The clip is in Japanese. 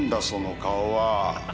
その顔は。